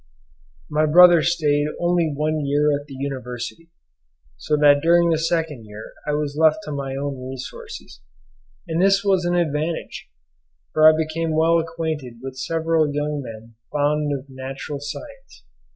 My brother stayed only one year at the University, so that during the second year I was left to my own resources; and this was an advantage, for I became well acquainted with several young men fond of natural science.